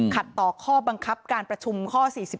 ต่อข้อบังคับการประชุมข้อ๔๔